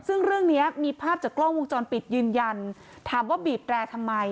ซึ่งเรื่องนี้มีภาพจากกล้องวงจรปิดยืนยันถามว่าบีบแรร์ทำไม